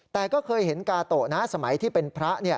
แต่ก็เคยเห็นกาโตะนะสมัยที่เป็นพระ